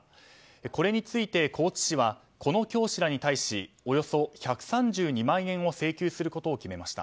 これについて、高知市はこの教師らに対しおよそ１３２万円を請求することを決めました。